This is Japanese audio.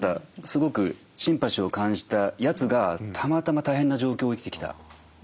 すごくシンパシーを感じたやつがたまたま大変な状況を生きてきた。